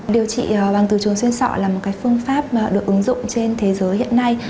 điều trị bằng từ trường xuyên sọ là một phương pháp được ứng dụng trên thế giới hiện nay